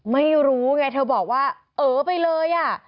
ไม่รู้ไงเธอบอกว่าเออไปเลยอ่ะ